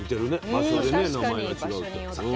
場所でね名前が違うって。